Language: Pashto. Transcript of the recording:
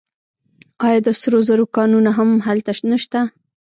آیا د سرو زرو کانونه هم هلته نشته؟